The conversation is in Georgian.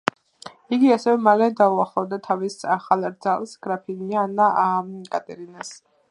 იგი ასევე მალე დაუახლოვდა თავის ახალ რძალს, გრაფინია ანა კატერინას.